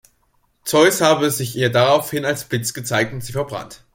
Zeus habe sich ihr daraufhin als Blitz gezeigt und sie verbrannt.